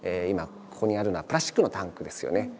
今ここにあるのはプラスチックのタンクですよね。